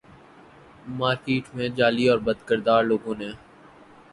market میں جعلی اور بدکردار لوگوں نے